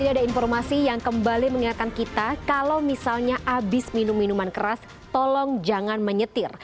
ini ada informasi yang kembali mengingatkan kita kalau misalnya habis minum minuman keras tolong jangan menyetir